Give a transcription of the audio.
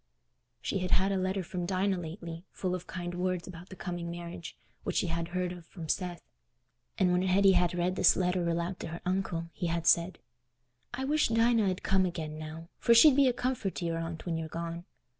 She had had a letter from Dinah lately, full of kind words about the coming marriage, which she had heard of from Seth; and when Hetty had read this letter aloud to her uncle, he had said, "I wish Dinah 'ud come again now, for she'd be a comfort to your aunt when you're gone.